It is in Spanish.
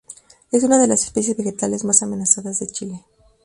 Es una de las especies vegetales más amenazadas de Chile.